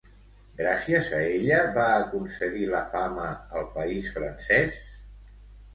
Gràcies a ella va aconseguir la fama al país francès?